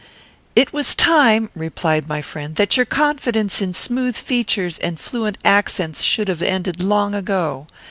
"It was time," replied my friend, "that your confidence in smooth features and fluent accents should have ended long ago.